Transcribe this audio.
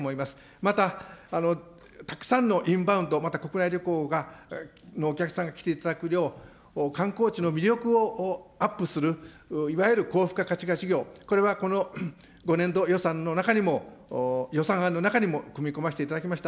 また、たくさんのインバウンド、また国内旅行のお客さんが来ていただくよう、観光地の魅力をアップする、いわゆる高付加価値化事業、これはこの５年度予算の中にも、予算案の中にも組み込ませていただきました。